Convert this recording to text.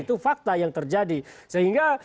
itu fakta yang terjadi sehingga